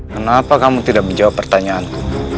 kenapa kamu tidak menjawab pertanyaanku